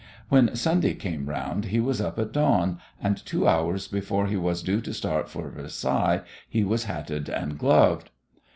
When Sunday came round he was up at dawn, and two hours before he was due to start for Versailles he was hatted and gloved.